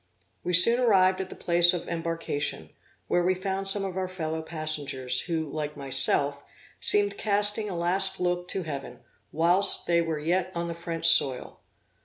We soon arrived at the place of embarkation, where we found some of our fellow passengers, who, like myself, seemed casting a last look to Heaven, whilst they were yet on the French soil.